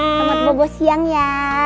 iya selamat bobo siang ya